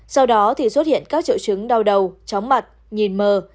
sau đó thì xuất hiện các triệu chứng đau đầu chóng mặt nhìn mờ